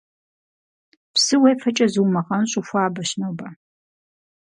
Псы уефэкӏэ зумыгъэнщӏыу хуабэщ нобэ.